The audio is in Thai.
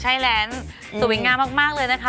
ใช่แลนด์สวยงามมากเลยนะคะ